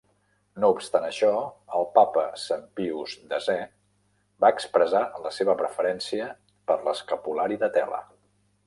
No obstant això, el Papa Sant Pius X va expressar la seva preferència per l'escapulari de tela.